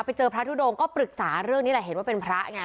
ไปเจอพระทุดงก็ปรึกษาเรื่องนี้แหละเห็นว่าเป็นพระไง